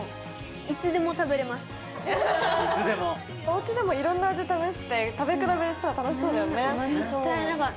おうちでもいろんな味試して食べ比べしたら楽しそうだよね。